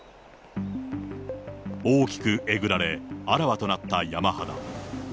大きくえぐられ、あらわとなった山肌。